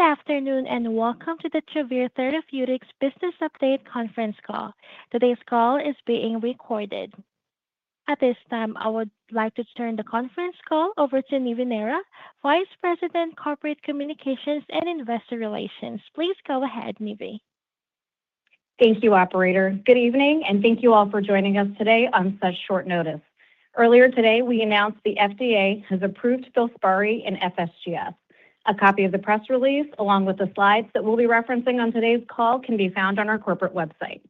Good afternoon, and welcome to the Travere Therapeutics business update conference call. Today's call is being recorded. At this time, I would like to turn the conference call over to Nivi Nehra, Vice President, Corporate Communications and Investor Relations. Please go ahead, Nivi. Thank you, operator. Good evening and thank you all for joining us today on such short notice. Earlier today, we announced the FDA has approved FILSPARI in FSGS. A copy of the press release, along with the slides that we'll be referencing on today's call can be found on our corporate website.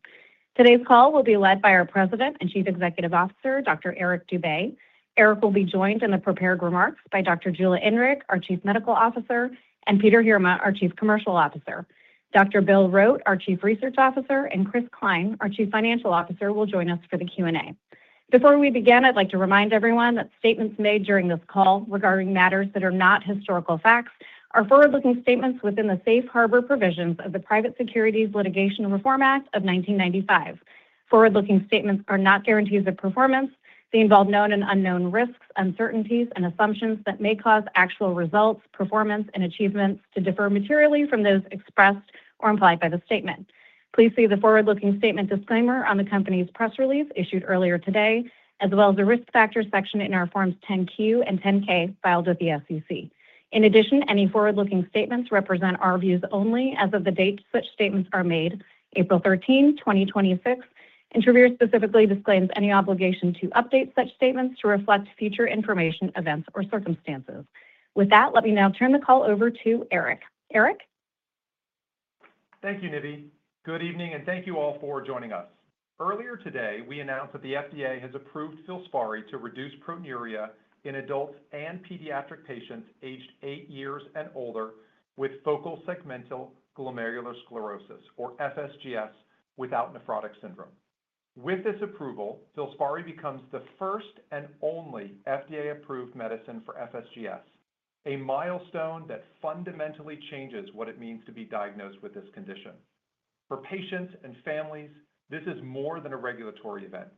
Today's call will be led by our President and Chief Executive Officer, Dr. Eric Dube. Eric will be joined in the prepared remarks by Dr. Jula Inrig, our Chief Medical Officer, and Peter Heerma, our Chief Commercial Officer. Dr. William Rote, our Chief Research Officer, and Chris Cline, our Chief Financial Officer, will join us for the Q&A. Before we begin, I'd like to remind everyone that statements made during this call regarding matters that are not historical facts are forward-looking statements within the safe harbor provisions of the Private Securities Litigation Reform Act of 1995. Forward-looking statements are not guarantees of performance. They involve known and unknown risks, uncertainties, and assumptions that may cause actual results, performance, and achievements to differ materially from those expressed or implied by the statement. Please see the forward-looking statement disclaimer on the company's press release issued earlier today, as well as the Risk Factors section in our Forms 10-Q and 10-K filed with the SEC. In addition, any forward-looking statements represent our views only as of the date such statements are made, April 13, 2026, and Travere specifically disclaims any obligation to update such statements to reflect future information, events, or circumstances. With that, let me now turn the call over to Eric. Eric? Thank you, Nivi. Good evening and thank you all for joining us. Earlier today, we announced that the FDA has approved FILSPARI to reduce proteinuria in adults and pediatric patients aged eight years and older with focal segmental glomerulosclerosis or FSGS without nephrotic syndrome. With this approval, FILSPARI becomes the first and only FDA-approved medicine for FSGS, a milestone that fundamentally changes what it means to be diagnosed with this condition. For patients and families, this is more than a regulatory event.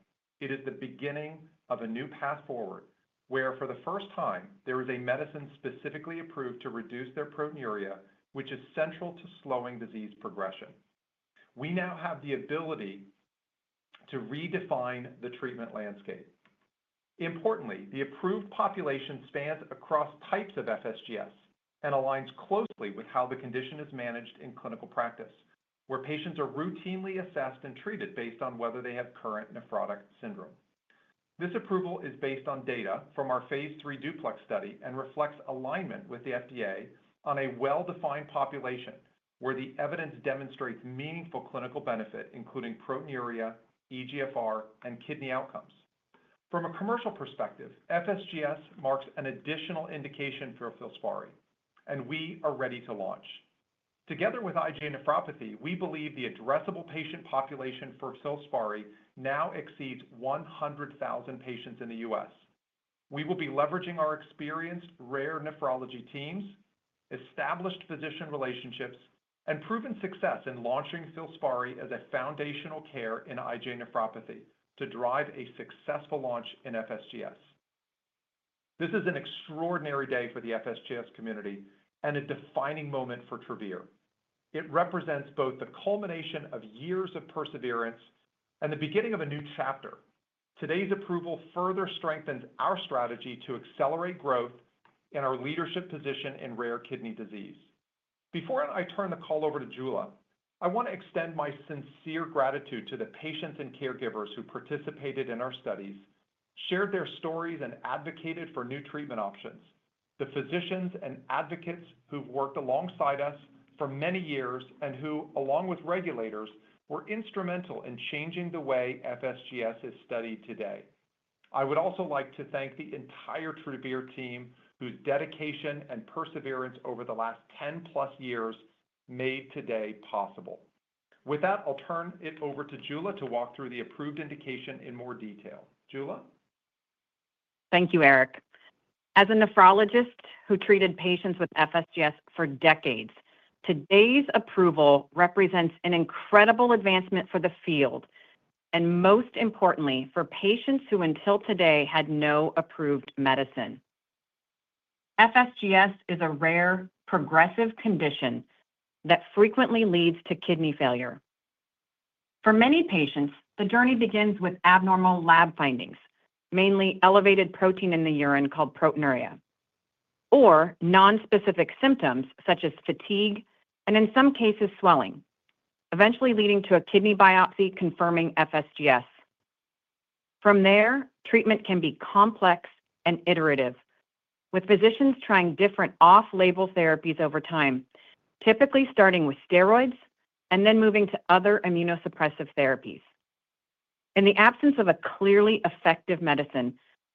It is the beginning of a new path forward, where for the first time, there is a medicine specifically approved to reduce their proteinuria, which is central to slowing disease progression. We now have the ability to redefine the treatment landscape. Importantly, the approved population spans across types of FSGS and aligns closely with how the condition is managed in clinical practice, where patients are routinely assessed and treated based on whether they have current nephrotic syndrome. This approval is based on data from our phase III f study and reflects alignment with the FDA on a well-defined population where the evidence demonstrates meaningful clinical benefit, including proteinuria, eGFR, and kidney outcomes. From a commercial perspective, FSGS marks an additional indication for FILSPARI, and we are ready to launch. Together with IgA nephropathy, we believe the addressable patient population for FILSPARI now exceeds 100,000 patients in the US. We will be leveraging our experienced rare nephrology teams, established physician relationships, and proven success in launching FILSPARI as a foundational care in IgA nephropathy to drive a successful launch in FSGS. This is an extraordinary day for the FSGS community and a defining moment for Travere. It represents both the culmination of years of perseverance and the beginning of a new chapter. Today's approval further strengthens our strategy to accelerate growth and our leadership position in rare kidney disease. Before I turn the call over to Jula, I want to extend my sincere gratitude to the patients and caregivers who participated in our studies, shared their stories, and advocated for new treatment options, the physicians and advocates who've worked alongside us for many years and who, along with regulators, were instrumental in changing the way FSGS is studied today. I would also like to thank the entire Travere team, whose dedication and perseverance over the last 10+ years made today possible. With that, I'll turn it over to Jula to walk through the approved indication in more detail. Jula? Thank you, Eric. As a nephrologist who treated patients with FSGS for decades, today's approval represents an incredible advancement for the field and, most importantly, for patients who until today had no approved medicine. FSGS is a rare progressive condition that frequently leads to kidney failure. For many patients, the journey begins with abnormal lab findings, mainly elevated protein in the urine called proteinuria, or non-specific symptoms such as fatigue and, in some cases, swelling, eventually leading to a kidney biopsy confirming FSGS. From there, treatment can be complex and iterative, with physicians trying different off-label therapies over time, typically starting with steroids and then moving to other immunosuppressive therapies. In the absence of a clearly effective medicine,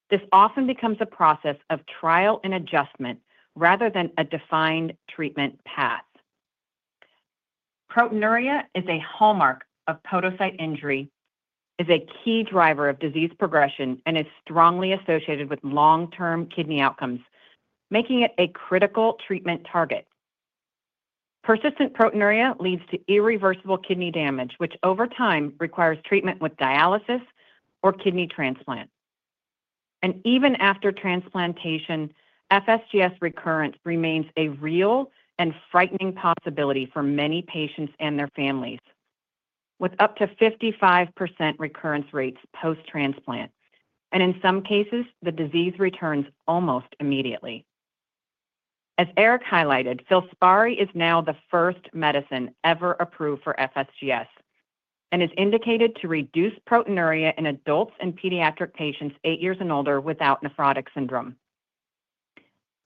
this often becomes a process of trial and adjustment rather than a defined treatment path. Proteinuria is a hallmark of podocyte injury, is a key driver of disease progression, and is strongly associated with long-term kidney outcomes, making it a critical treatment target. Persistent proteinuria leads to irreversible kidney damage, which over time requires treatment with dialysis or kidney transplant. Even after transplantation, FSGS recurrence remains a real and frightening possibility for many patients and their families with up to 55% recurrence rates post-transplant. In some cases, the disease returns almost immediately. As Eric highlighted, FILSPARI is now the first medicine ever approved for FSGS and is indicated to reduce proteinuria in adults and pediatric patients eight years and older without nephrotic syndrome.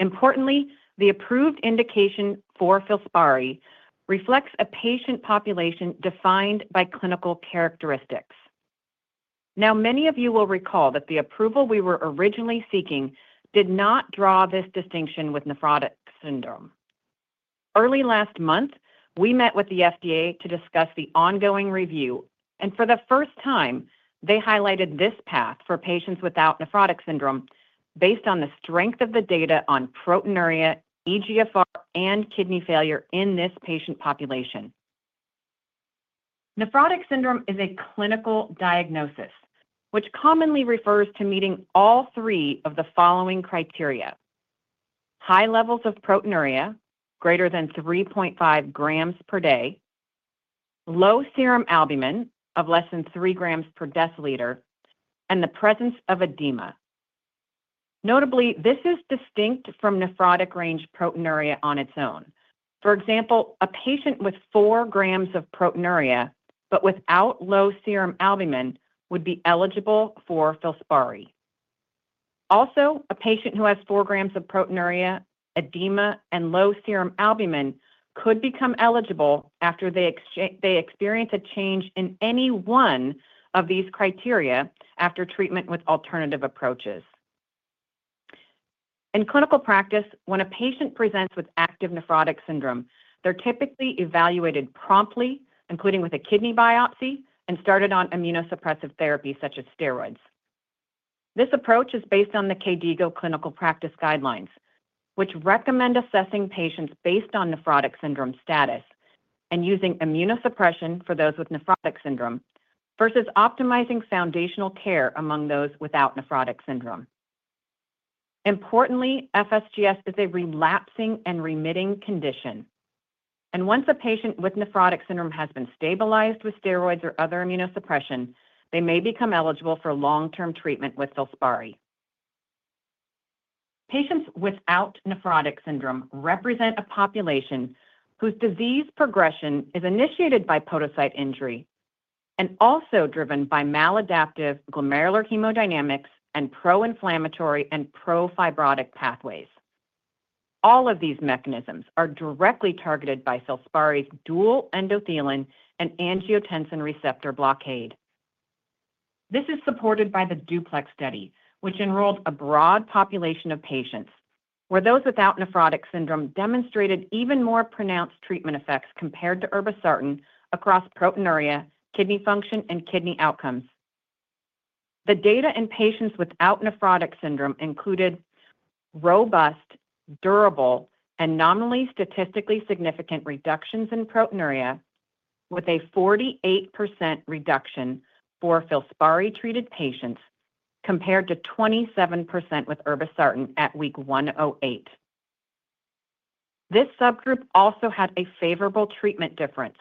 Importantly, the approved indication for FILSPARI reflects a patient population defined by clinical characteristics. Now, many of you will recall that the approval we were originally seeking did not draw this distinction with nephrotic syndrome. Early last month, we met with the FDA to discuss the ongoing review, and for the first time, they highlighted this path for patients without nephrotic syndrome based on the strength of the data on proteinuria, eGFR, and kidney failure in this patient population. Nephrotic syndrome is a clinical diagnosis which commonly refers to meeting all three of the following criteria, high levels of proteinuria greater than 3.5 grams per day, low serum albumin of less than three grams per deciliter, and the presence of edema. Notably, this is distinct from nephrotic range proteinuria on its own. For example, a patient with four grams of proteinuria but without low serum albumin would be eligible for FILSPARI. Also, a patient who has four grams of proteinuria, edema, and low serum albumin could become eligible after they experience a change in any one of these criteria after treatment with alternative approaches. In clinical practice, when a patient presents with active nephrotic syndrome, they're typically evaluated promptly, including with a kidney biopsy, and started on immunosuppressive therapy such as steroids. This approach is based on the KDIGO clinical practice guidelines, which recommend assessing patients based on nephrotic syndrome status and using immunosuppression for those with nephrotic syndrome versus optimizing foundational care among those without nephrotic syndrome. Importantly, FSGS is a relapsing and remitting condition, and once a patient with nephrotic syndrome has been stabilized with steroids or other immunosuppression, they may become eligible for long-term treatment with FILSPARI. Patients without nephrotic syndrome represent a population whose disease progression is initiated by podocyte injury and also driven by maladaptive glomerular hemodynamics and pro-inflammatory and pro-fibrotic pathways. All of these mechanisms are directly targeted by FILSPARI's dual endothelin and angiotensin receptor blockade. This is supported by the DUPLEX study, which enrolled a broad population of patients where those without nephrotic syndrome demonstrated even more pronounced treatment effects compared to irbesartan across proteinuria, kidney function, and kidney outcomes. The data in patients without nephrotic syndrome included robust, durable, and nominally statistically significant reductions in proteinuria, with a 48% reduction for FILSPARI-treated patients, compared to 27% with irbesartan at week 108. This subgroup also had a favorable treatment difference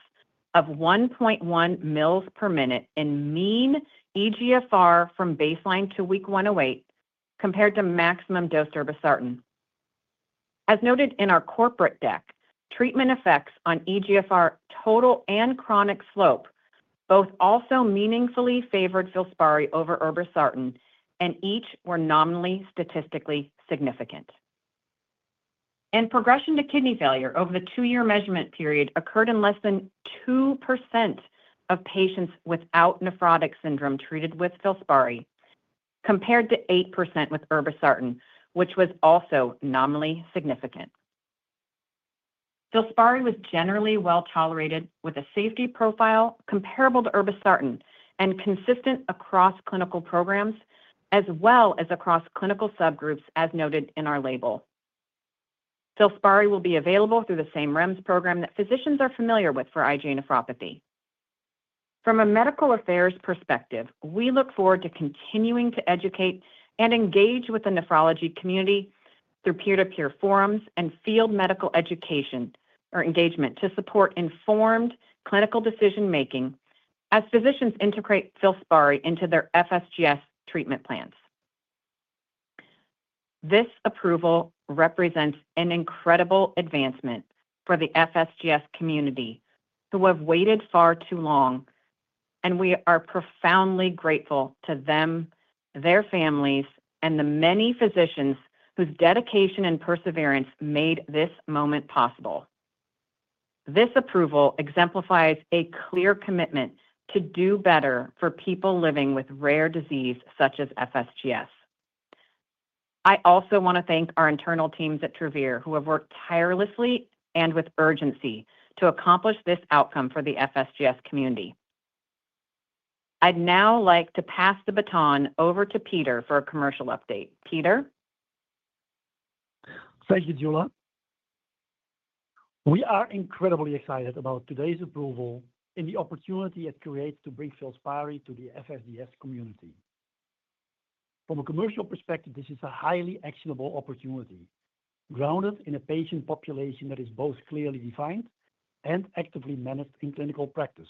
of 1.1 mLs per minute in mean eGFR from baseline to week 108 compared to maximum dose irbesartan. As noted in our corporate deck, treatment effects on eGFR total and chronic slope both also meaningfully favored FILSPARI over irbesartan, and each were nominally statistically significant. Progression to kidney failure over the two-year measurement period occurred in less than 2% of patients without nephrotic syndrome treated with FILSPARI, compared to 8% with irbesartan, which was also nominally significant. FILSPARI was generally well-tolerated, with a safety profile comparable to irbesartan and consistent across clinical programs, as well as across clinical subgroups, as noted in our label. FILSPARI will be available through the same REMS program that physicians are familiar with for IgA nephropathy. From a medical affairs perspective, we look forward to continuing to educate and engage with the nephrology community through peer-to-peer forums and field medical education or engagement to support informed clinical decision making as physicians integrate FILSPARI into their FSGS treatment plans. This approval represents an incredible advancement for the FSGS community who have waited far too long, and we are profoundly grateful to them, their families, and the many physicians whose dedication and perseverance made this moment possible. This approval exemplifies a clear commitment to do better for people living with rare disease such as FSGS. I also want to thank our internal teams at Travere who have worked tirelessly and with urgency to accomplish this outcome for the FSGS community. I'd now like to pass the baton over to Peter for a commercial update. Peter? Thank you, Jula. We are incredibly excited about today's approval and the opportunity it creates to bring FILSPARI to the FSGS community. From a commercial perspective, this is a highly actionable opportunity, grounded in a patient population that is both clearly defined and actively managed in clinical practice.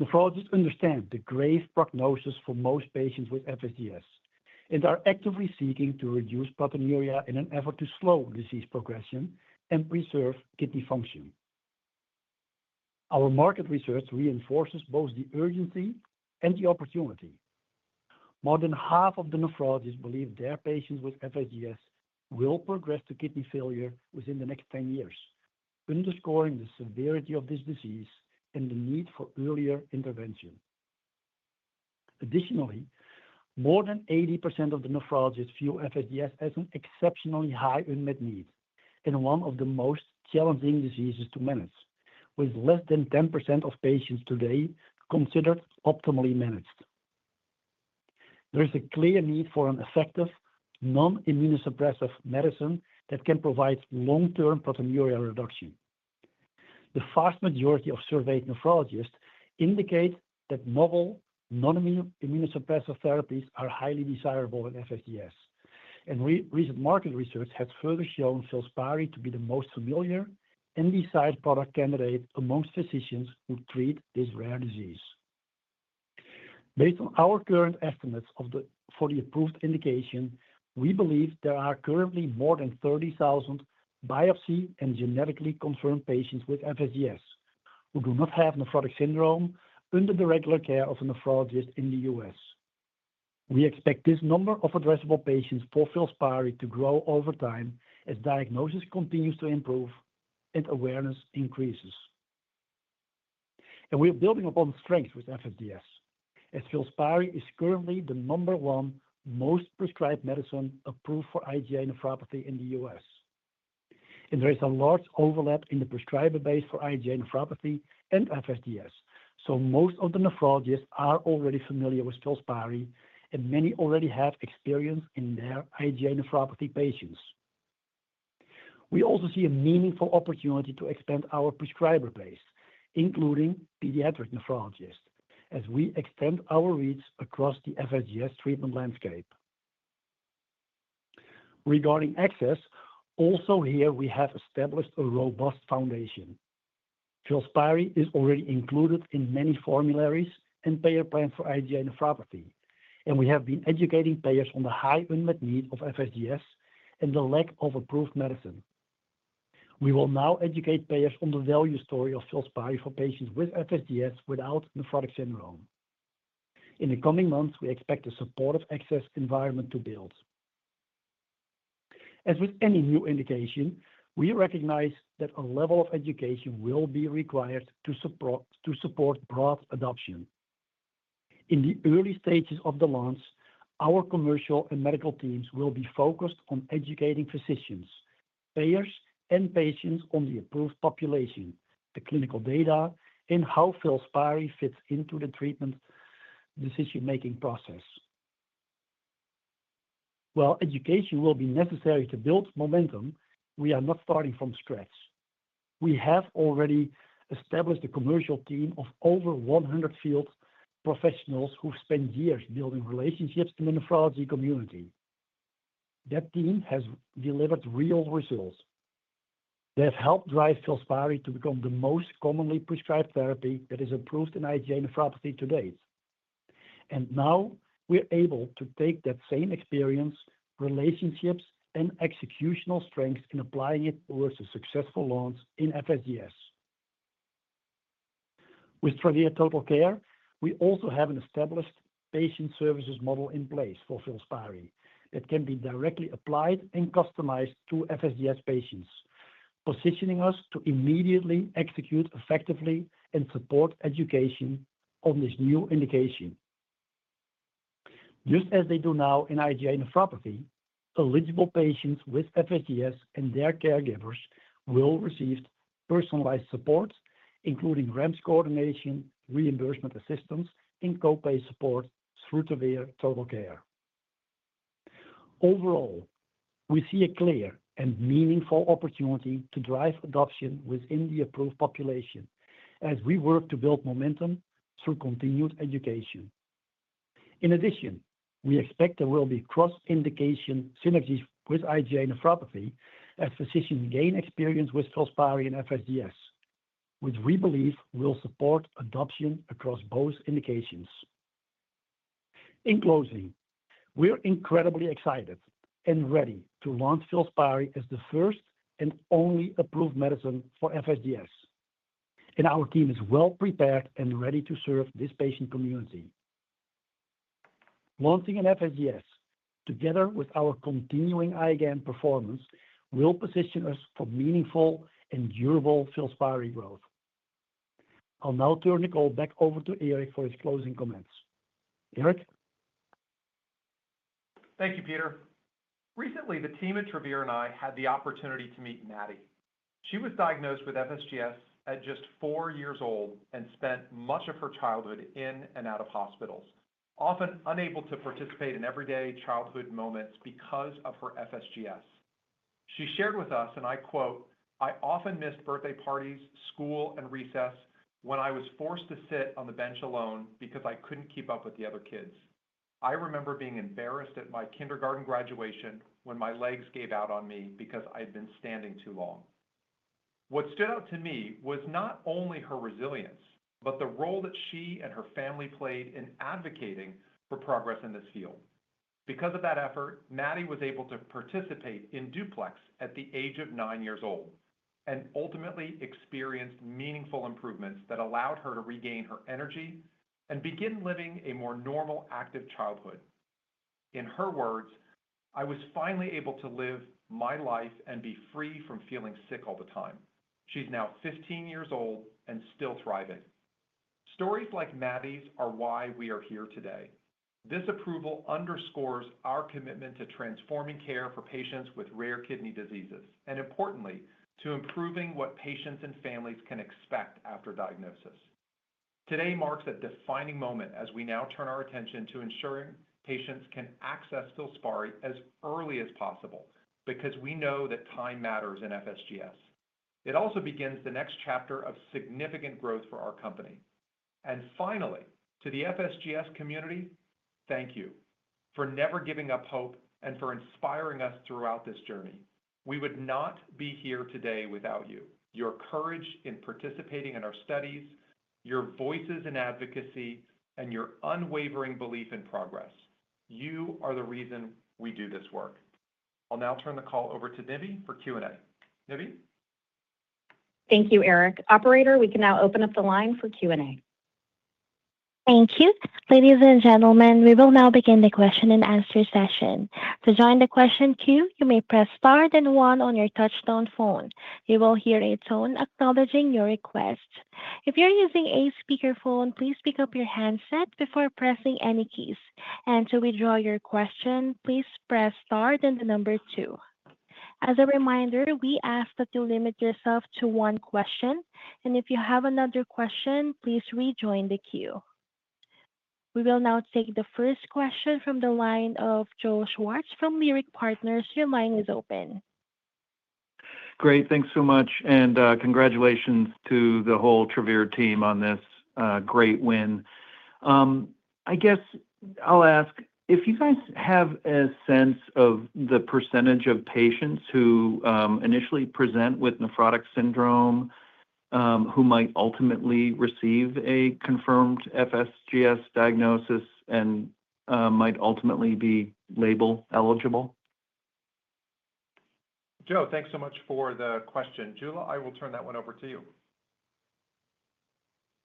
Nephrologists understand the grave prognosis for most patients with FSGS and are actively seeking to reduce proteinuria in an effort to slow disease progression and preserve kidney function. Our market research reinforces both the urgency and the opportunity. More than half of the nephrologists believe their patients with FSGS will progress to kidney failure within the next 10 years, underscoring the severity of this disease and the need for earlier intervention. Additionally, more than 80% of the nephrologists view FSGS as an exceptionally high unmet need and one of the most challenging diseases to manage, with less than 10% of patients today considered optimally managed. There is a clear need for an effective non-immunosuppressive medicine that can provide long-term proteinuria reduction. The vast majority of surveyed nephrologists indicate that novel non-immunosuppressive therapies are highly desirable in FSGS, and recent market research has further shown FILSPARI to be the most familiar and desired product candidate amongst physicians who treat this rare disease. Based on our current estimates for the approved indication, we believe there are currently more than 30,000 biopsy and genetically confirmed patients with FSGS who do not have nephrotic syndrome under the regular care of a nephrologist in the US. We expect this number of addressable patients for FILSPARI to grow over time as diagnosis continues to improve and awareness increases. We are building upon strength with FSGS, as FILSPARI is currently the number one most prescribed medicine approved for IgA nephropathy in the US. There is a large overlap in the prescriber base for IgA nephropathy and FSGS, so most of the nephrologists are already familiar with FILSPARI, and many already have experience in their IgA nephropathy patients. We also see a meaningful opportunity to expand our prescriber base, including pediatric nephrologists, as we extend our reach across the FSGS treatment landscape. Regarding access, also here we have established a robust foundation. FILSPARI is already included in many formularies and payer plans for IgA nephropathy, and we have been educating payers on the high unmet need of FSGS and the lack of approved medicine. We will now educate payers on the value story of FILSPARI for patients with FSGS without nephrotic syndrome. In the coming months, we expect a supportive access environment to build. As with any new indication, we recognize that a level of education will be required to support broad adoption. In the early stages of the launch, our commercial and medical teams will be focused on educating physicians, payers, and patients on the approved population, the clinical data, and how FILSPARI fits into the treatment decision-making process. While education will be necessary to build momentum, we are not starting from scratch. We have already established a commercial team of over 100 field professionals who've spent years building relationships in the nephrology community. That team has delivered real results that have helped drive FILSPARI to become the most commonly prescribed therapy that is approved in IgA nephropathy to date. Now we're able to take that same experience, relationships, and executional strengths and apply it towards a successful launch in FSGS. With Travere TotalCare, we also have an established patient services model in place for FILSPARI that can be directly applied and customized to FSGS patients, positioning us to immediately execute effectively and support education on this new indication. Just as they do now in IgA nephropathy, eligible patients with FSGS and their caregivers will receive personalized support, including REMS coordination, reimbursement assistance, and co-pay support through Travere TotalCare. Overall, we see a clear and meaningful opportunity to drive adoption within the approved population as we work to build momentum through continued education. In addition, we expect there will be cross-indication synergies with IgA nephropathy as physicians gain experience with FILSPARI and FSGS, which we believe will support adoption across both indications. In closing, we're incredibly excited and ready to launch FILSPARI as the first and only approved medicine for FSGS, and our team is well-prepared and ready to serve this patient community. Launching in FSGS, together with our continuing IgA performance, will position us for meaningful and durable FILSPARI growth. I'll now turn the call back over to Eric for his closing comments. Eric? Thank you, Peter. Recently, the team at Travere and I had the opportunity to meet Maddie. She was diagnosed with FSGS at just four years old and spent much of her childhood in and out of hospitals, often unable to participate in everyday childhood moments because of her FSGS. She shared with us, and I quote, "I often missed birthday parties, school, and recess when I was forced to sit on the bench alone because I couldn't keep up with the other kids. I remember being embarrassed at my kindergarten graduation when my legs gave out on me because I'd been standing too long." What stood out to me was not only her resilience, but the role that she and her family played in advocating for progress in this field. Because of that effort, Maddie was able to participate in DUPLEX at the age of nine years old and ultimately experienced meaningful improvements that allowed her to regain her energy and begin living a more normal, active childhood. In her words, I was finally able to live my life and be free from feeling sick all the time. She's now 15 years old and still thriving. Stories like Maddie's are why we are here today. This approval underscores our commitment to transforming care for patients with rare kidney diseases, and importantly, to improving what patients and families can expect after diagnosis. Today marks a defining moment as we now turn our attention to ensuring patients can access FILSPARI as early as possible, because we know that time matters in FSGS. It also begins the next chapter of significant growth for our company. Finally, to the FSGS community, thank you for never giving up hope and for inspiring us throughout this journey. We would not be here today without you, your courage in participating in our studies, your voices in advocacy, and your unwavering belief in progress. You are the reason we do this work. I'll now turn the call over to Nivi for Q&A. Nivi? Thank you, Eric. Operator, we can now open up the line for Q&A. Thank you. Ladies and gentlemen, we will now begin the question-and-answer session. To join the question queue, you may press star then one on your touch-tone phone. You will hear a tone acknowledging your request. If you're using a speakerphone, please pick up your handset before pressing any keys. To withdraw your question, please press star then the number two. As a reminder, we ask that you limit yourself to one question, and if you have another question, please rejoin the queue. We will now take the first question from the line of Joseph Schwartz from Leerink Partners. Your line is open. Great. Thanks so much, and congratulations to the whole Travere team on this great win. I guess I'll ask if you guys have a sense of the percentage of patients who initially present with nephrotic syndrome, who might ultimately receive a confirmed FSGS diagnosis, and might ultimately be label eligible? Joe, thanks so much for the question. Jula, I will turn that one over to you.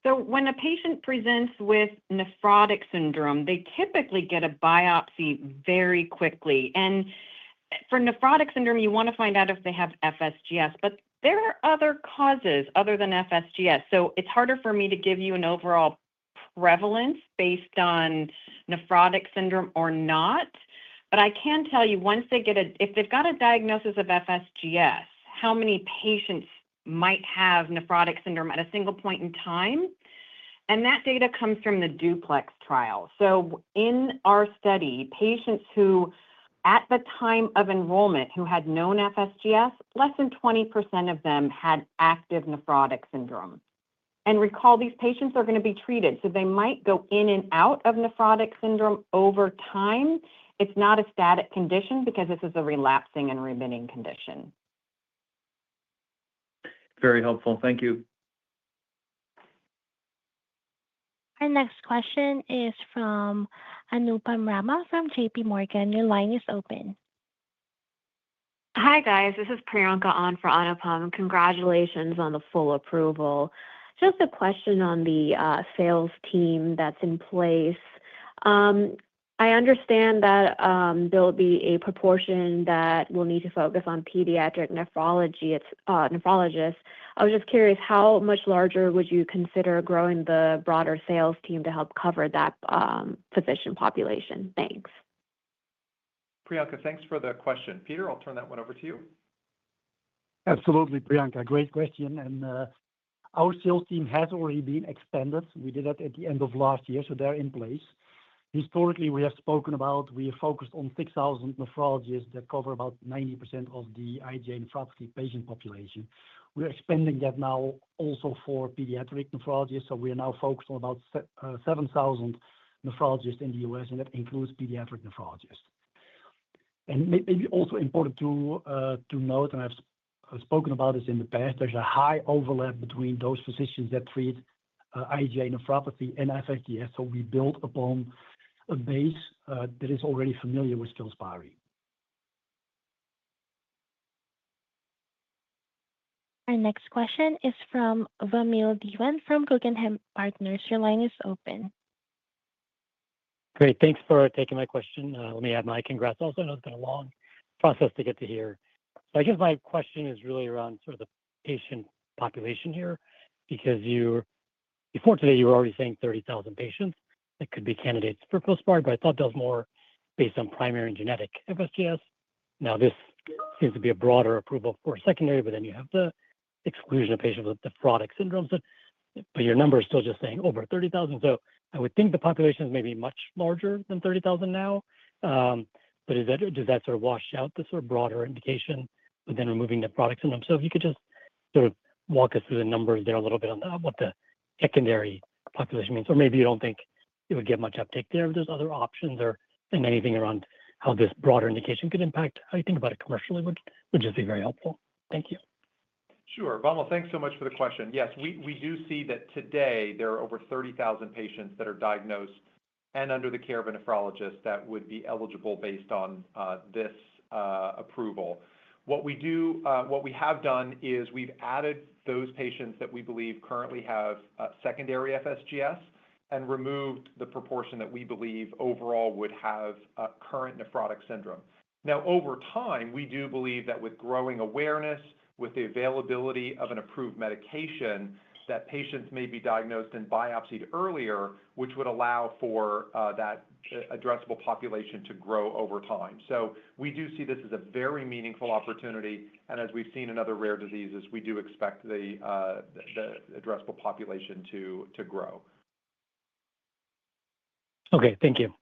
When a patient presents with nephrotic syndrome, they typically get a biopsy very quickly. For nephrotic syndrome, you want to find out if they have FSGS, but there are other causes other than FSGS. It's harder for me to give you an overall prevalence based on nephrotic syndrome or not. I can tell you, if they've got a diagnosis of FSGS, how many patients might have nephrotic syndrome at a single point in time, and that data comes from the DUPLEX trial. In our study, patients who, at the time of enrollment, who had known FSGS, less than 20% of them had active nephrotic syndrome. Recall, these patients are going to be treated, so they might go in and out of nephrotic syndrome over time. It's not a static condition because this is a relapsing and remitting condition. Very helpful. Thank you. Our next question is from Anupam Rama from JPMorgan. Your line is open. Hi, guys. This is Priyanka on for Anupam. Congratulations on the full approval. Just a question on the sales team that's in place. I understand that there'll be a proportion that will need to focus on pediatric nephrologists. I was just curious, how much larger would you consider growing the broader sales team to help cover that physician population? Thanks. Priyanka, thanks for the question. Peter, I'll turn that one over to you. Absolutely, Priyanka. Great question, and our sales team has already been expanded. We did that at the end of last year, so they're in place. Historically, we have spoken about, we are focused on 6,000 nephrologists that cover about 90% of the IgA nephropathy patient population. We're expanding that now also for pediatric nephrologists. We are now focused on about 7,000 nephrologists in the US that includes pediatric nephrologists. Maybe also important to note, and I've spoken about this in the past, there's a high overlap between those physicians that treat IgA nephropathy and FSGS. We build upon a base that is already familiar with FILSPARI. Our next question is from Vamil Divan from Guggenheim Partners. Your line is open. Great. Thanks for taking my question. Let me add my congrats also. I know it's been a long process to get to here. I guess my question is really around sort of the patient population here, because you're. Before today, you were already saying 30,000 patients that could be candidates for FILSPARI, but I thought that was more based on primary and genetic FSGS. Now, this seems to be a broader approval for secondary, but then you have the exclusion of patients with nephrotic syndrome. Your number is still just saying over 30,000. I would think the population is maybe much larger than 30,000 now. Does that sort of wash out the sort of broader indication within removing nephrotic syndrome? If you could just sort of walk us through the numbers there a little bit on what the secondary population means, or maybe you don't think it would get much uptake there if there's other options or anything around how this broader indication could impact how you think about it commercially would just be very helpful. Thank you. Sure. Vamil, thanks so much for the question. Yes, we do see that today there are over 30,000 patients that are diagnosed and under the care of a nephrologist that would be eligible based on this approval. What we have done is we've added those patients that we believe currently have secondary FSGS and removed the proportion that we believe overall would have current nephrotic syndrome. Now, over time, we do believe that with growing awareness, with the availability of an approved medication, that patients may be diagnosed and biopsied earlier, which would allow for that addressable population to grow over time. We do see this as a very meaningful opportunity, and as we've seen in other rare diseases, we do expect the addressable population to grow. Okay. Thank you.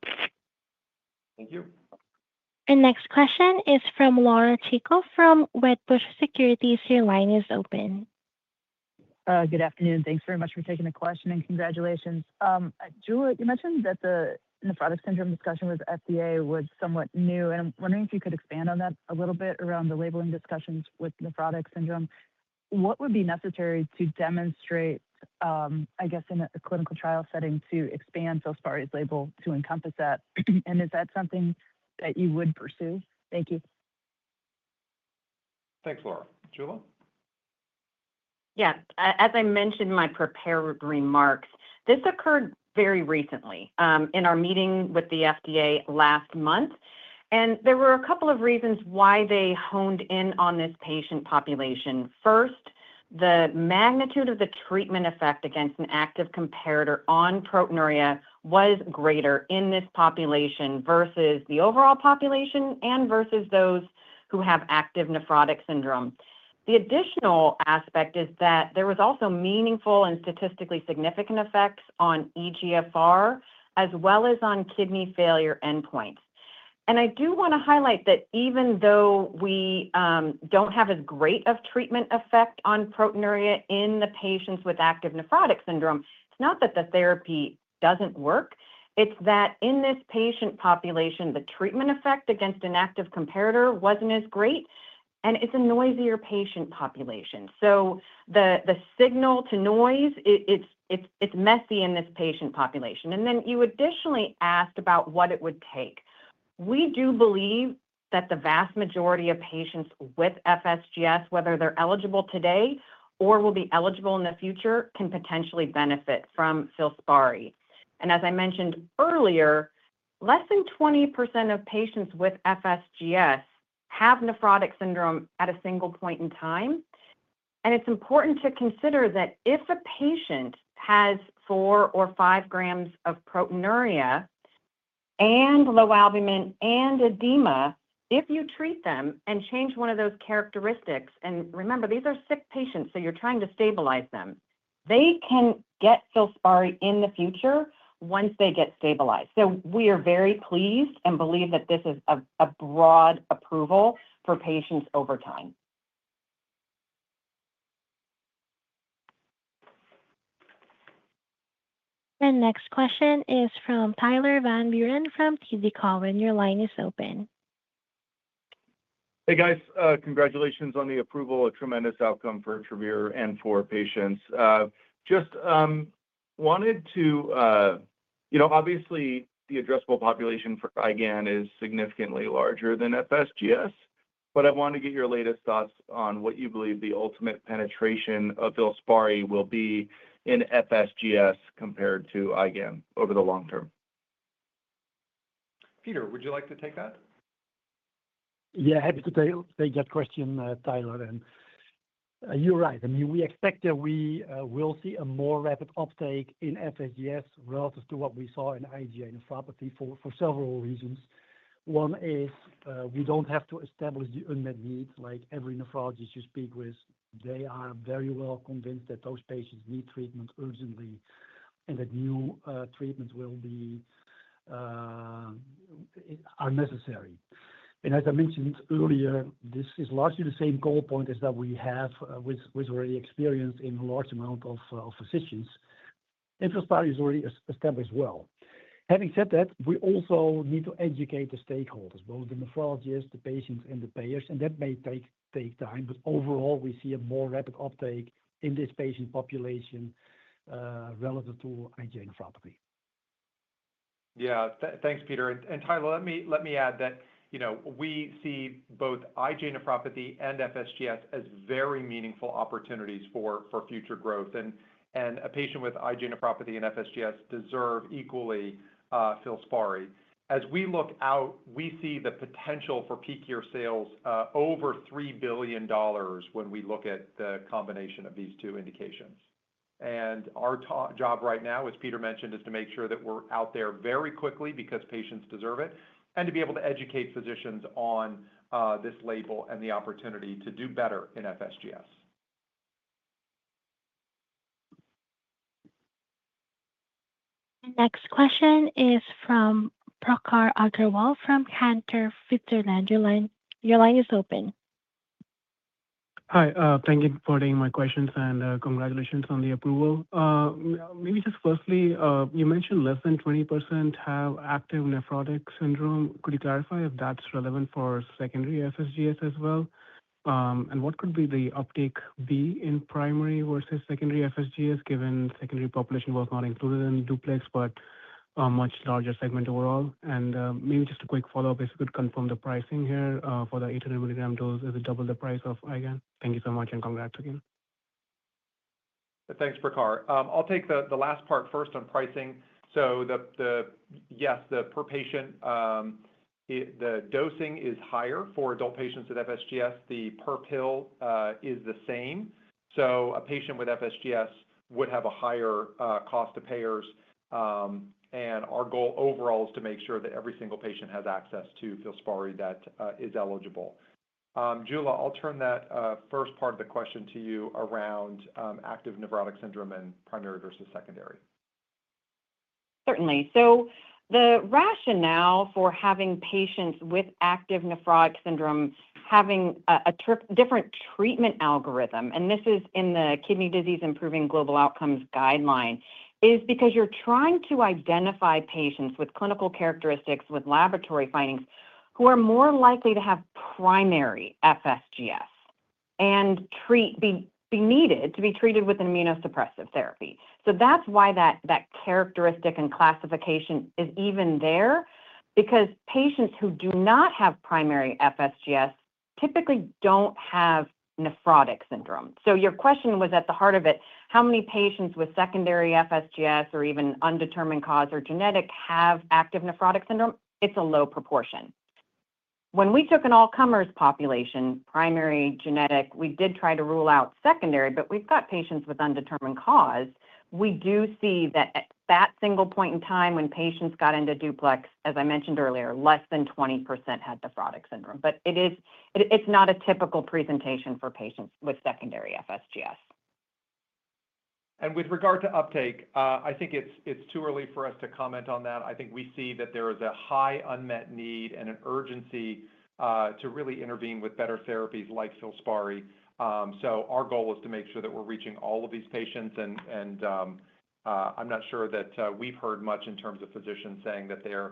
Thank you. The next question is from Laura Chico from Wedbush Securities. Your line is open. Good afternoon. Thanks very much for taking the question and congratulations. Jula, you mentioned that the nephrotic syndrome discussion with FDA was somewhat new, and I'm wondering if you could expand on that a little bit around the labeling discussions with nephrotic syndrome. What would be necessary to demonstrate, I guess, in a clinical trial setting to expand FILSPARI's label to encompass that? Is that something that you would pursue? Thank you. Thanks, Laura. Jula? Yeah. As I mentioned in my prepared remarks, this occurred very recently in our meeting with the FDA last month, and there were a couple of reasons why they honed in on this patient population. First, the magnitude of the treatment effect against an active comparator on proteinuria was greater in this population versus the overall population and versus those who have active nephrotic syndrome. The additional aspect is that there was also meaningful and statistically significant effects on eGFR as well as on kidney failure endpoints. I do want to highlight that even though we don't have as great of treatment effect on proteinuria in the patients with active nephrotic syndrome, it's not that the therapy doesn't work, it's that in this patient population, the treatment effect against an active comparator wasn't as great, and it's a noisier patient population. The signal to noise, it's messy in this patient population. You additionally asked about what it would take. We do believe that the vast majority of patients with FSGS, whether they're eligible today or will be eligible in the future, can potentially benefit from FILSPARI. As I mentioned earlier, less than 20% of patients with FSGS have nephrotic syndrome at a single point in time. It's important to consider that if a patient has four or five grams of proteinuria and low albumin and edema, if you treat them and change one of those characteristics, and remember, these are sick patients, so you're trying to stabilize them. They can get FILSPARI in the future once they get stabilized. We are very pleased and believe that this is a broad approval for patients over time. The next question is from Tyler Van Buren from TD Cowen. Your line is open. Hey, guys. Congratulations on the approval, a tremendous outcome for Travere and for patients. Obviously, the addressable population for IgAN is significantly larger than FSGS, but I wanted to get your latest thoughts on what you believe the ultimate penetration of FILSPARI will be in FSGS compared to IgAN over the long term. Peter, would you like to take that? Yeah, happy to take that question, Tyler, and you're right. We expect that we will see a more rapid uptake in FSGS relative to what we saw in IgA nephropathy for several reasons. One is we don't have to establish the unmet need. Like every nephrologist you speak with, they are very well convinced that those patients need treatment urgently and that new treatments are necessary. As I mentioned earlier, this is largely the same call point as that we have with already experienced in large amount of physicians. FILSPARI is already established well. Having said that, we also need to educate the stakeholders, both the nephrologists, the patients, and the payers, and that may take time, but overall, we see a more rapid uptake in this patient population relative to IgA nephropathy. Yeah. Thanks, Peter. Tyler, let me add that we see both IgA nephropathy and FSGS as very meaningful opportunities for future growth. A patient with IgA nephropathy and FSGS deserve equally FILSPARI. As we look out, we see the potential for peak year sales over $3 billion when we look at the combination of these two indications. Our job right now, as Peter mentioned, is to make sure that we're out there very quickly because patients deserve it, and to be able to educate physicians on this label and the opportunity to do better in FSGS. The next question is from Prakhar Agarwal from Cantor Fitzgerald. Your line is open. Hi. Thank you for taking my questions, and congratulations on the approval. Maybe just firstly, you mentioned less than 20% have active nephrotic syndrome. Could you clarify if that's relevant for secondary FSGS as well? What could the uptake be in primary versus secondary FSGS, given secondary population was not included in DUPLEX, but a much larger segment overall. Maybe just a quick follow-up, if you could confirm the pricing here, for the 800 mg dose. Is it double the price of IgAN? Thank you so much and congrats again. Thanks, Prakhar. I'll take the last part first on pricing. Yes, the per patient, the dosing is higher for adult patients with FSGS. The per pill is the same. A patient with FSGS would have a higher cost to payers. Our goal overall is to make sure that every single patient has access to FILSPARI that is eligible. Jula, I'll turn that first part of the question to you around active nephrotic syndrome and primary versus secondary. Certainly. The rationale for having patients with active nephrotic syndrome having a different treatment algorithm, and this is in the Kidney Disease: Improving Global Outcomes guideline, is because you're trying to identify patients with clinical characteristics, with laboratory findings, who are more likely to have primary FSGS and be needed to be treated with an immunosuppressive therapy. That's why that characteristic and classification is even there, because patients who do not have primary FSGS typically don't have nephrotic syndrome. Your question was at the heart of it, how many patients with secondary FSGS or even undetermined cause or genetic have active nephrotic syndrome? It's a low proportion. When we took an all-comers population, primary, genetic, we did try to rule out secondary, but we've got patients with undetermined cause. We do see that at that single point in time when patients got into DUPLEX, as I mentioned earlier, less than 20% had nephrotic syndrome. It's not a typical presentation for patients with secondary FSGS. With regard to uptake, I think it's too early for us to comment on that. I think we see that there is a high unmet need and an urgency to really intervene with better therapies like FILSPARI. Our goal is to make sure that we're reaching all of these patients, and I'm not sure that we've heard much in terms of physicians saying that they're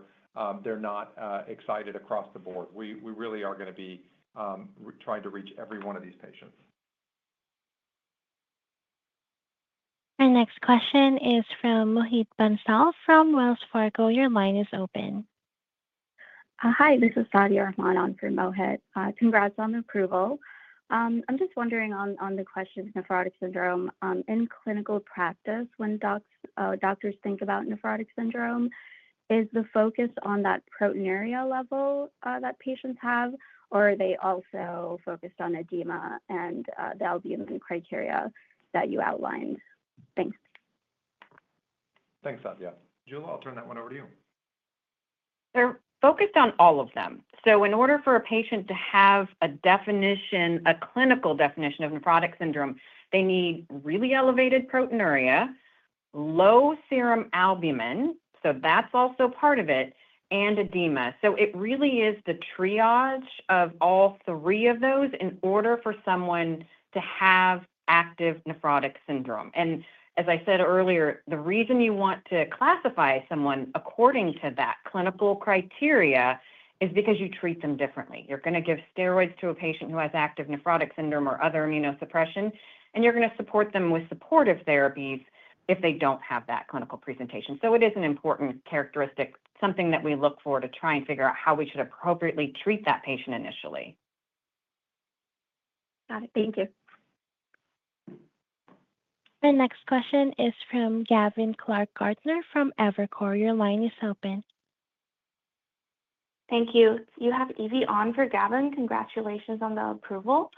not excited across the board. We really are going to be trying to reach every one of these patients. Our next question is from Mohit Bansal from Wells Fargo. Your line is open. Hi, this is Sadia Rahman on for Mohit. Congrats on the approval. I'm just wondering on the question of nephrotic syndrome. In clinical practice, when doctors think about nephrotic syndrome, is the focus on that proteinuria level that patients have, or are they also focused on edema and the albumin criteria that you outlined? Thanks. Thanks, Sadia. Jula, I'll turn that one over to you. They're focused on all of them. In order for a patient to have a clinical definition of nephrotic syndrome, they need really elevated proteinuria, low serum albumin, so that's also part of it, and edema. It really is the triad of all three of those in order for someone to have active nephrotic syndrome. As I said earlier, the reason you want to classify someone according to that clinical criteria is because you treat them differently. You're going to give steroids to a patient who has active nephrotic syndrome or other immunosuppression, and you're going to support them with supportive therapies if they don't have that clinical presentation. It is an important characteristic, something that we look for to try and figure out how we should appropriately treat that patient initially. Got it. Thank you. The next question is from Gavin Clark-Gartner from Evercore. Your line is open. Thank you. You have Evie on for Gavin. Congratulations on the approval.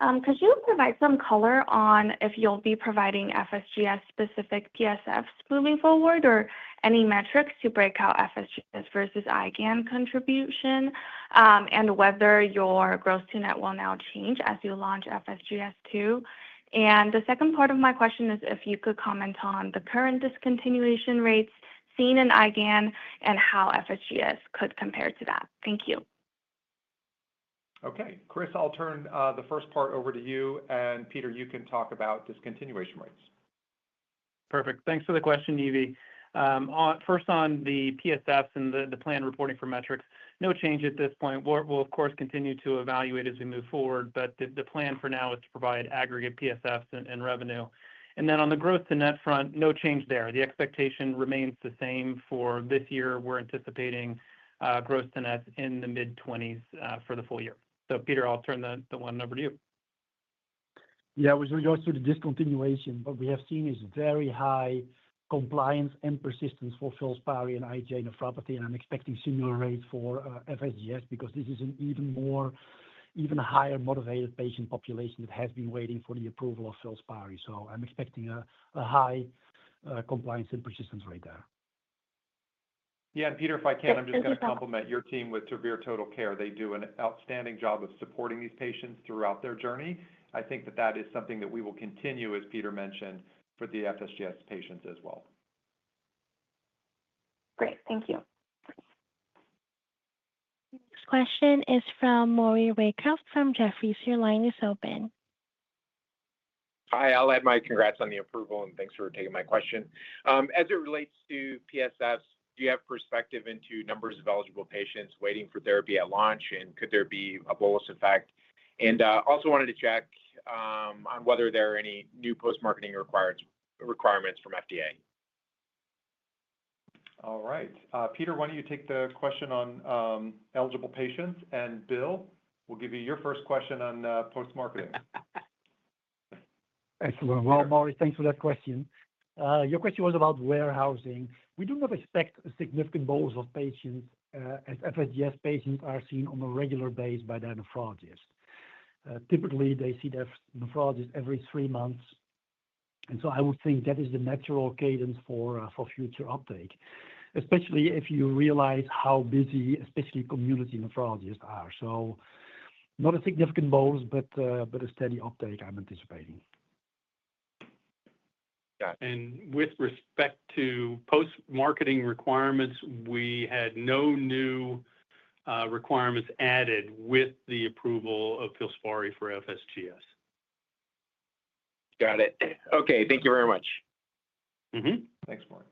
Could you provide some color on if you'll be providing FSGS-specific PSFs moving forward or any metrics to break out FSGS versus IgAN contribution, and whether your gross-to-net will now change as you launch FSGS too? The second part of my question is if you could comment on the current discontinuation rates seen in IgAN and how FSGS could compare to that. Thank you. Okay. Chris, I'll turn the first part over to you, and Peter, you can talk about discontinuation rates. Perfect. Thanks for the question, Evie. First on the PSFs and the plan reporting for metrics, no change at this point. We'll, of course, continue to evaluate as we move forward, but the plan for now is to provide aggregate PSFs and revenue. On the gross-to-net front, no change there. The expectation remains the same for this year. We're anticipating gross-to-net in the mid-20s for the full year. Peter, I'll turn the one over to you. Yeah. With regards to the discontinuation, what we have seen is very high compliance and persistence for FILSPARI in IgA nephropathy, and I'm expecting similar rates for FSGS because this is an even higher motivated patient population that has been waiting for the approval of FILSPARI. I'm expecting a high compliance and persistence rate there. Yeah, Peter, if I can, I'm just going to compliment your team with Travere TotalCare. They do an outstanding job of supporting these patients throughout their journey. I think that that is something that we will continue, as Peter mentioned, for the FSGS patients as well. Great. Thank you. Next question is from Maury Raycroft from Jefferies. Your line is open. Hi, I'll add my congrats on the approval, and thanks for taking my question. As it relates to PSS, do you have perspective into numbers of eligible patients waiting for therapy at launch, and could there be a bolus effect? And also wanted to check on whether there are any new post-marketing requirements from FDA. All right. Peter, why don't you take the question on eligible patients? Bill, we'll give you your first question on post-marketing. Excellent. Well, Maury, thanks for that question. Your question was about warehousing. We do not expect a significant bolus of patients, as FSGS patients are seen on a regular basis by their nephrologist. Typically, they see their nephrologist every three months. I would think that is the natural cadence for future uptake, especially if you realize how busy, especially community nephrologists are. Not a significant bolus, but a steady uptake I'm anticipating. Yeah. With respect to post-marketing requirements, we had no new requirements added with the approval of FILSPARI for FSGS. Got it. Okay. Thank you very much. Mm-hmm. Thanks, Maury.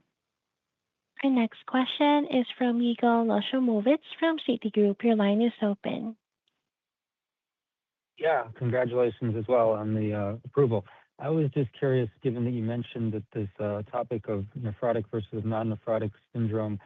Our next question is fromYigal Nochomovitz from Citigroup. Your line is open. Yeah. Congratulations as well on the approval. I was just curious, given that you mentioned that this topic of nephrotic versus non-nephrotic syndrome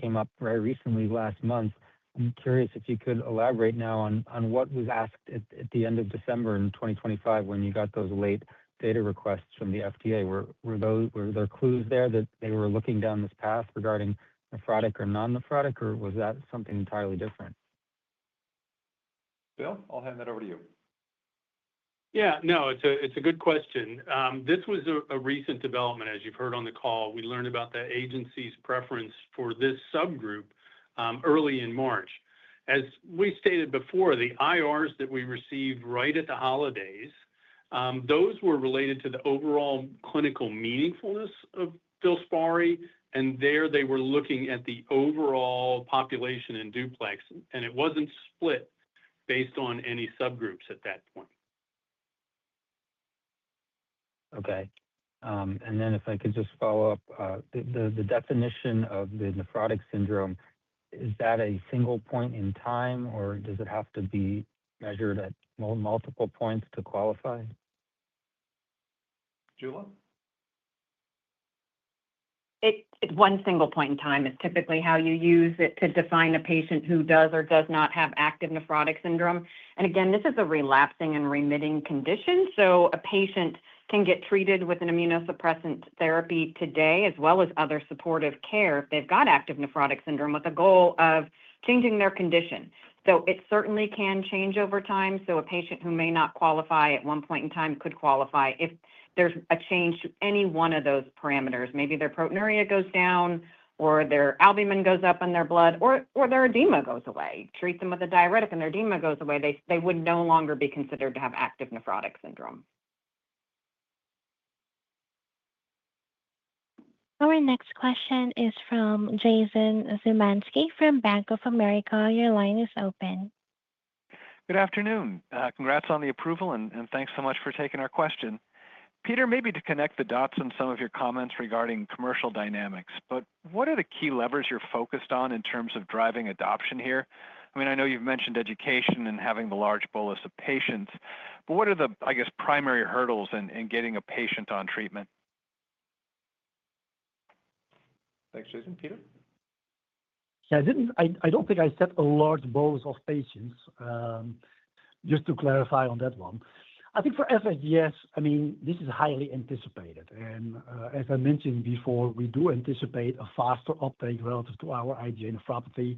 came up very recently, last month. I'm curious if you could elaborate now on what was asked at the end of December in 2025 when you got those late data requests from the FDA. Were there clues there that they were looking down this path regarding nephrotic or non-nephrotic, or was that something entirely different? Bill, I'll hand that over to you. Yeah, no, it's a good question. This was a recent development, as you've heard on the call. We learned about the agency's preference for this subgroup early in March. As we stated before, the IRs that we received right at the holidays, those were related to the overall clinical meaningfulness of FILSPARI. There they were looking at the overall population in DUPLEX, and it wasn't split based on any subgroups at that point. Okay. If I could just follow up. The definition of the nephrotic syndrome, is that a single point in time, or does it have to be measured at multiple points to qualify? Jula? It's one single point in time. It's typically how you use it to define a patient who does or does not have active nephrotic syndrome. Again, this is a relapsing and remitting condition, so a patient can get treated with an immunosuppressant therapy today, as well as other supportive care if they've got active nephrotic syndrome, with a goal of changing their condition. It certainly can change over time. A patient who may not qualify at one point in time could qualify if there's a change to any one of those parameters. Maybe their proteinuria goes down or their albumin goes up in their blood or their edema goes away. Treat them with a diuretic and their edema goes away, they would no longer be considered to have active nephrotic syndrome. Our next question is from Jason Zemansky from Bank of America. Your line is open. Good afternoon. Congrats on the approval, and thanks so much for taking our question. Peter, maybe to connect the dots on some of your comments regarding commercial dynamics, but what are the key levers you're focused on in terms of driving adoption here? I know you've mentioned education and having the large bolus of patients, but what are the, I guess, primary hurdles in getting a patient on treatment? Thanks, Jason. Peter? Yeah, I don't think I said a large bolus of patients. Just to clarify on that one. I think for FSGS, this is highly anticipated. As I mentioned before, we do anticipate a faster uptake relative to our IgA nephropathy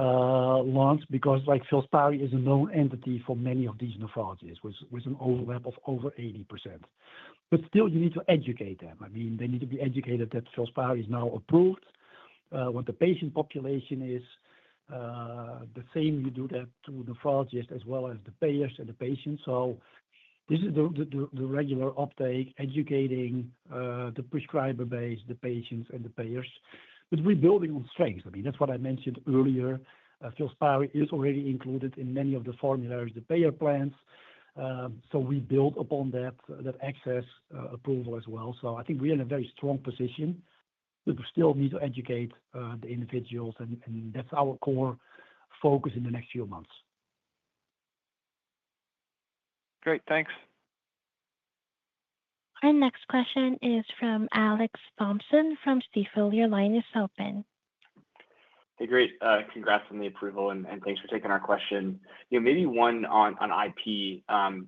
launch because FILSPARI is a known entity for many of these nephrologists, with an overlap of over 80%. Still, you need to educate them. They need to be educated that FILSPARI is now approved, what the patient population is. The same you do that to nephrologists as well as the payers and the patients. This is the regular uptake, educating the prescriber base, the patients and the payers. We're building on strengths. That's what I mentioned earlier. FILSPARI is already included in many of the formularies, the payer plans. We build upon that access approval as well. I think we're in a very strong position, but we still need to educate the individuals, and that's our core focus in the next few months. Great. Thanks. Our next question is from Alex Thompson from Stifel. Your line is open. Hey, great. Congrats on the approval, and thanks for taking our question. Maybe one on IP,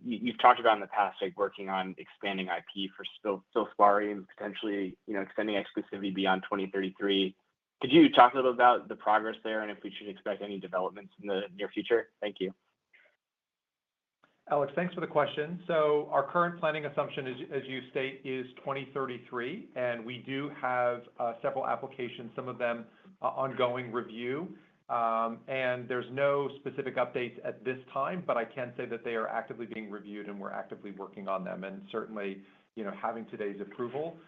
you've talked about in the past working on expanding IP for FILSPARI and potentially extending exclusivity beyond 2033. Could you talk a little about the progress there and if we should expect any developments in the near future? Thank you. Alex, thanks for the question. Our current planning assumption as you state, is 2033, and we do have several applications, some of them ongoing review. There's no specific updates at this time, but I can say that they are actively being reviewed and we're actively working on them. Certainly, having today's approval,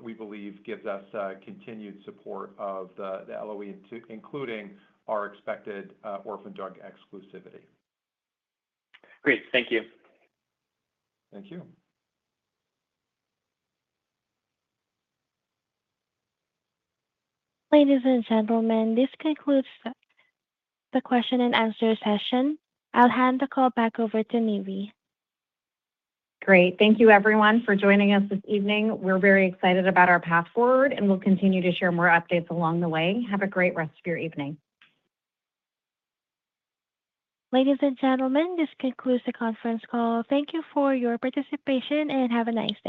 we believe gives us continued support of the LOE, including our expected Orphan Drug Exclusivity. Great. Thank you. Thank you. Ladies and gentlemen, this concludes the question and answer session. I'll hand the call back over to Nivi. Great. Thank you everyone for joining us this evening. We're very excited about our path forward, and we'll continue to share more updates along the way. Have a great rest of your evening. Ladies and gentlemen, this concludes the conference call. Thank you for your participation, and have a nice day.